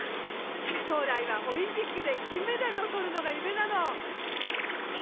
将来はオリンピックで金メダルを取るのが夢なの。え！